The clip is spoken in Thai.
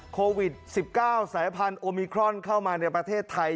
โควิด๑๙สายพันธุมิครอนเข้ามาในประเทศไทย